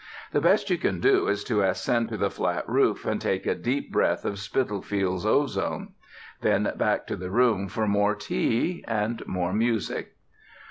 The best you can do is to ascend to the flat roof, and take a deep breath of Spitalfields ozone. Then back to the room for more tea and more music.